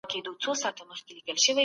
مغولو خپله تګلاره په بشپړه توګه بدله کړه.